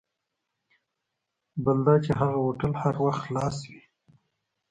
بله دا چې هغه هوټل هر وخت خلاص وي.